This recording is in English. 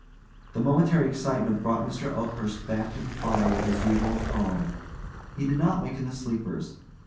The momentary excitement brought Mr. Oakhurst back to the fire with his usual calm. He did not waken the sleepers.